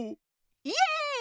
イエーイ